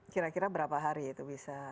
kira kira berapa hari itu bisa